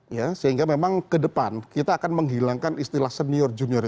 ya sehingga memang ke depan kita akan menghilangkan istilah senior junior